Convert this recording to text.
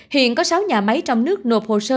hiện có sáu nhà máy trong nước nộp hồ sơ